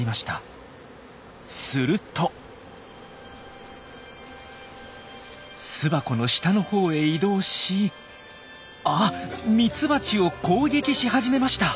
すると巣箱の下のほうへ移動しあっミツバチを攻撃し始めました！